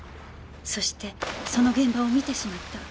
そしてその現場を見てしまった。